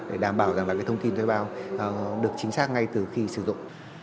để đảm bảo rằng là thông tin thuê bao được chính xác ngay từ khi sử dụng